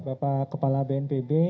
bapak kepala bnpb